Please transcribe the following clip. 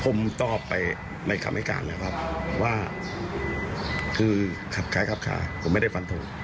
ผมตอบไปในคำให้การนะครับว่าคลับคล้ายคลับคล้ายผมไม่ได้ฟันโทร